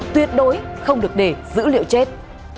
tuyệt đối không được để dữ liệu chết